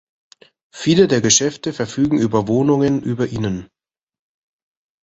Viele der Geschäfte verfügen über Wohnungen über ihnen.